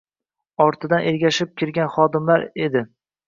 Ortingdan ergashib kirgan xodimlar edi.